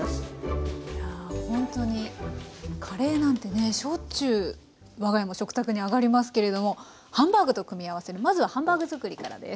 や本当にカレーなんてねしょっちゅうわが家も食卓に上がりますけれどもハンバーグと組み合わせるまずはハンバーグ作りからです。